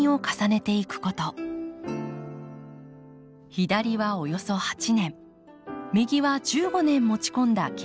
左はおよそ８年右は１５年持ち込んだケヤキです。